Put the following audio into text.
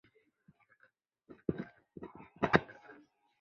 汤之里站松前线的铁路站。